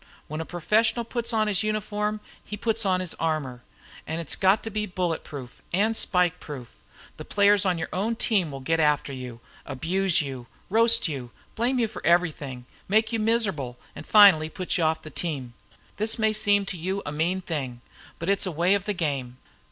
When a professional puts on his uniform he puts on his armor. And it's got to be bullet proof and spike proof. The players on your own team will get after you, abuse you, roast you, blame you for everything, make you miserable, and finally put you off the team. This may seem to you a mean thing. But it's a way of the game.